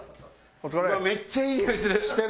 めっちゃいいにおいする！